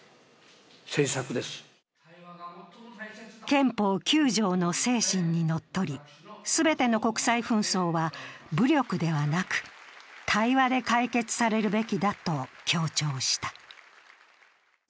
憲法９条の精神にのっとり全ての国際紛争は武力ではなく、対話で解決されるべきだと強調した。